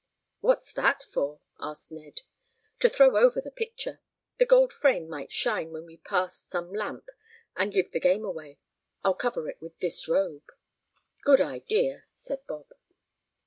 "What's that for?" asked Ned. "To throw over the picture. The gold frame might shine when we passed some lamp and give the game away. I'll cover it with this robe." "Good idea," said Bob.